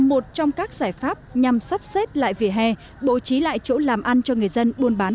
một trong các giải pháp nhằm sắp xếp lại vỉa hè bố trí lại chỗ làm ăn cho người dân buôn bán